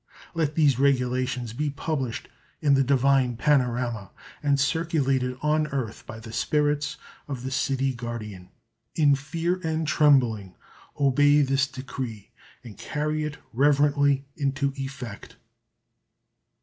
Let these regulations be published in the Divine Panorama and circulated on earth by the spirits of the City Guardian. In fear and trembling obey this decree and carry it reverently into effect."